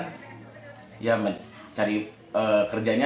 jadi kita mencari kerjanya